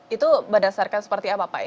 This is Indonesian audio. itu berdasarkan seperti apa pak